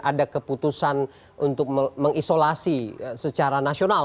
ada keputusan untuk mengisolasi secara nasional